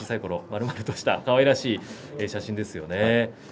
まるまるとしたかわいらしい写真ですね。